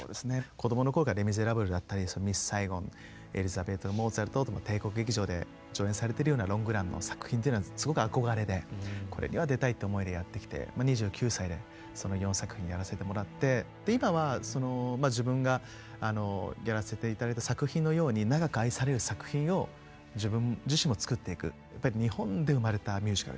こどもの頃から「レ・ミゼラブル」だったり「ミス・サイゴン」「エリザベート」「モーツァルト！」と帝国劇場で上演されているようなロングランの作品というのはすごく憧れでこれには出たいという思いでやってきて２９歳でその４作品やらせてもらって今はその自分がやらせていただいた作品のようにやっぱりハードルは高いですけど。